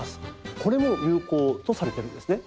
これも有効とされてるんですね。